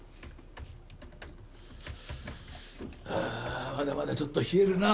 あまだまだちょっと冷えるな。